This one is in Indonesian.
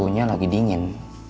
suhunya lagi dingin